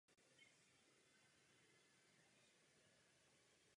Mnoho let působil na Masarykově univerzitě v Brně v akademickém senátu.